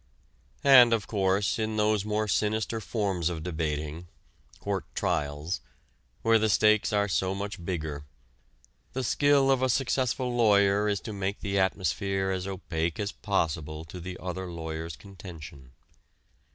And, of course, in those more sinister forms of debating, court trials, where the stakes are so much bigger, the skill of a successful lawyer is to make the atmosphere as opaque as possible to the other lawyer's contention.